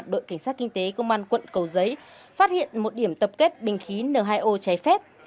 đội cảnh sát kinh tế công an quận cầu giấy phát hiện một điểm tập kết bình khí n hai o trái phép